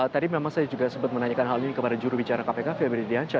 tadi memang saya juga sempat menanyakan hal ini kepada jurubicara kpk febri dianca